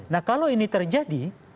nah kalau ini terjadi